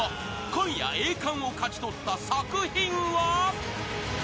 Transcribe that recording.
今夜栄冠を勝ち取った作品は］